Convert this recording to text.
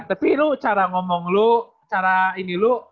tapi lu cara ngomong lu cara ini lu